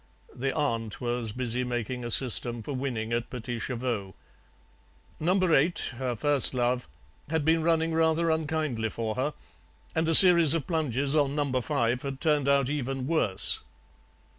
The aunt was busy making a system for winning at PETITS CHEVAUX. Number eight, her first love, had been running rather unkindly for her, and a series of plunges on number five had turned out even worse.